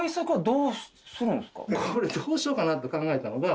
これどうしようかなと考えたのが。